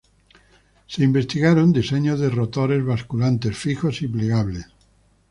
Se investigaron diseños de rotores basculantes fijos y plegables.